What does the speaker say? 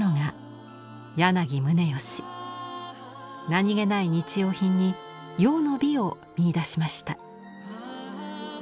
何気ない日用品に「用の美」を見いだしました。